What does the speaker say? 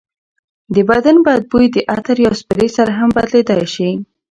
د بدن بوی د عطر یا سپرې سره هم بدلېدای شي.